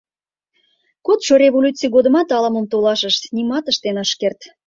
Кодшо революций годымат ала-мом толашышт, нимат ыштен ышт керт.